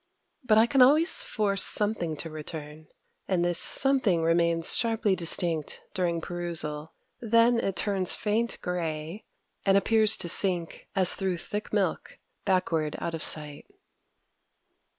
But I can always force something to return; and this something remains sharply distinct during perusal. Then it turns faint grey, and appears to sink as through thick milk backward out of sight.